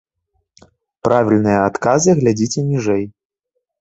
Правільныя адказы глядзіце ніжэй!